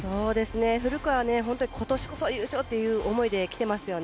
古川は今年こそ優勝という思いで来ていますよね。